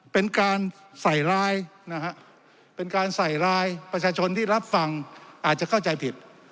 เป็นการใส่ร้ายนะฮะเป็นการใส่ลายประชาชนที่รับฟังอาจจะเข้าใจผิด